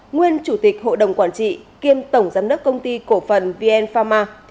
nguyên chủ tịch hội đồng quản trị kiêm tổng giám đốc công ty cổ phần vn pharma